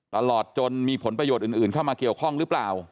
ตลอดจนมีผลประโยชน์อื่นเข้ามาเกี่ยวข้องหรือเปล่า